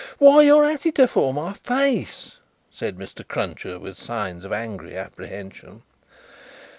"Why, you're at it afore my face!" said Mr. Cruncher, with signs of angry apprehension.